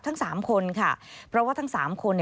ทั้ง๓คนค่ะเพราะว่าทั้ง๓คน